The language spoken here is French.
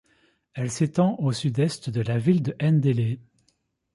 Elle s’étend au sud-est de la ville de Ndélé.